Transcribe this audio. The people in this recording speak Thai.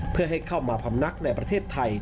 เพื่อให้เข้ามาพำนักในประเทศไทย